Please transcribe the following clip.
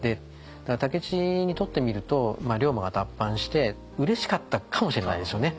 武市にとってみると龍馬が脱藩してうれしかったかもしれないですよね。